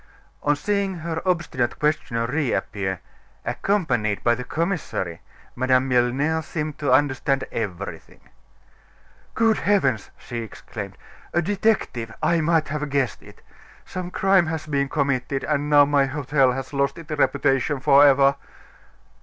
On seeing her obstinate questioner reappear, accompanied by the commissary, Madame Milner seemed to understand everything. "Good heavens!" she exclaimed, "a detective! I might have guessed it! Some crime has been committed; and now my hotel has lost its reputation forever!"